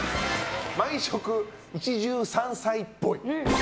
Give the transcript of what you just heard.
毎食一汁三菜っぽい。